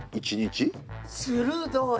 鋭い。